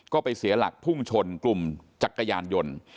ก็ไปเสียหลักพุ่งชนกลุ่มจักรยานยนต์